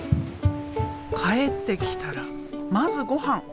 帰ってきたらまずごはん。